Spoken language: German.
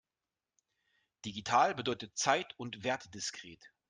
Digital bedeutet zeit- und wertdiskret.